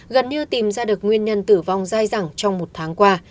gần như tìm ra được nguyên nhân tử vong dai dẳng trong một tháng qua